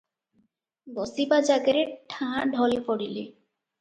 ବସିବା ଜାଗାରେ ଠାଁ ଢଳି ପଡିଲେ ।